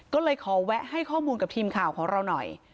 ก็เลยขอแวะให้ข้อมูลกับทีมข่าวของเราหน่อย